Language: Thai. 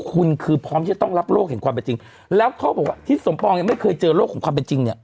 คุณคือพร้อมที่จะต้องรับโลกเห็นความเป็นจริงแล้วเขาบอกว่าทิศสมปองยังไม่เคยเจอโลกของความเป็นจริงเนี่ย